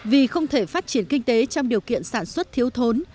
vì không thể phát triển kinh tế trong điều kiện sản xuất thiếu thốn